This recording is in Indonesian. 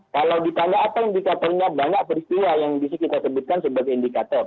kalau ditandatangani indikatornya banyak peristiwa yang disini kita sebutkan sebagai indikator